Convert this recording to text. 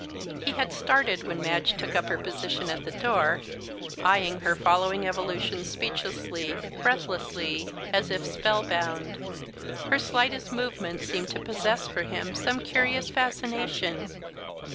He had started when Madge took up her position at the door, eyeing her following evolutions speechlessly, breathlessly, as if spellbound. Her slightest movement seemed to possess for him some curious fascination.